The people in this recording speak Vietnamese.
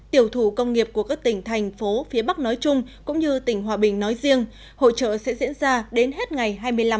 tiểu thủ công nghiệp của các tỉnh thành phố phía bắc nói chung cũng như tỉnh hòa bình nói riêng hỗ trợ sẽ diễn ra đến hết ngày hai mươi năm một mươi một